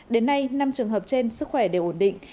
đến nay năm trường hợp trên sức khỏe đều ổn định